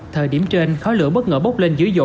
thời điểm trên khói lửa bất ngờ bốc lên dưới dộ